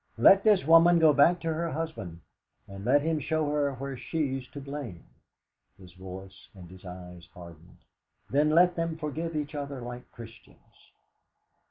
Let this woman go back to her husband, and let him show her where she's to blame" his voice and his eyes hardened "then let them forgive each other like Christians.